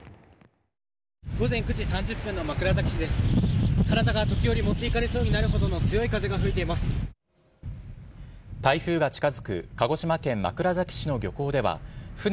午前９時３０分の枕崎市です。